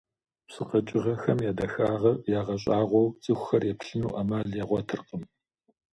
Псы къэкӀыгъэхэм я дахагъыр ягъэщӀагъуэу цӀыхухэр еплъыну Ӏэмал ягъуэтыркъым.